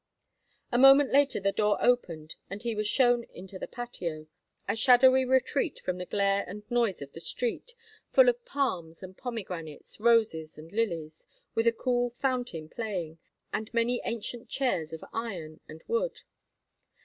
A moment later the door opened and he was shown into the patio, a shadowy retreat from the glare and noise of the street, full of palms and pomegranates, roses and lilies, with a cool fountain playing, and many ancient chairs of iron and wood.